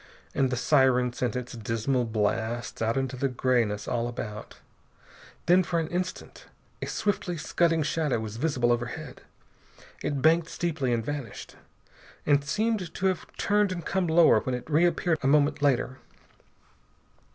And the siren sent its dismal blasts out into the grayness all about. Then, for an instant, a swiftly scudding shadow was visible overhead. It banked steeply and vanished, and seemed to have turned and come lower when it reappeared a moment later.